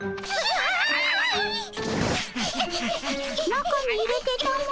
中に入れてたも。